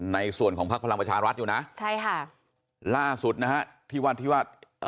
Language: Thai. ภักดิ์พลังประชารัฐอยู่นะใช่ค่ะล่าสุดนะฮะที่วันที่ว่า